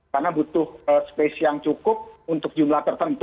karena butuh space yang cukup untuk jumlah tertentu